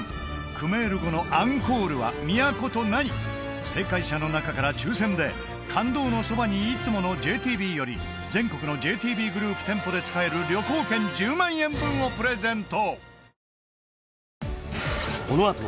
クメール語の正解者の中から抽選で「感動のそばに、いつも。」のＪＴＢより全国のＪＴＢグループ店舗で使える旅行券１０万円分をプレゼント！